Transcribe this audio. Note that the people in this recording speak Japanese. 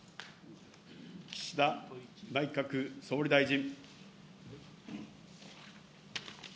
岸田内閣総理大臣。